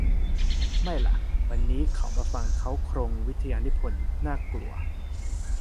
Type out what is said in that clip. ไม่ล่ะ วันนี้เขามาฟังเค้าโครงวิทยานิพนธ์ น่ากลัว